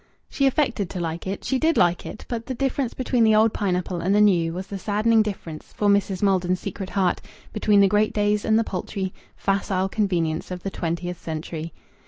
She affected to like it, she did like it, but the difference between the old pineapple and the new was the saddening difference, for Mrs. Maldon's secret heart, between the great days and the paltry, facile convenience of the twentieth century.